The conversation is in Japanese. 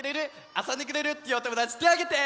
あそんでくれるっていうおともだちてあげて！